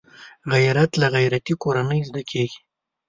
غیرت له غیرتي کورنۍ زده کېږي